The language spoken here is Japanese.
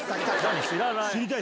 知らない。